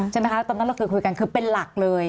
ใช่ไหมคะตอนนั้นเราเคยคุยกันคือเป็นหลักเลย